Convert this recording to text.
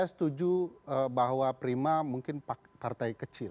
saya setuju bahwa prima mungkin partai kecil